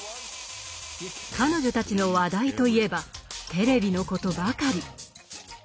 彼女たちの話題といえばテレビのことばかり。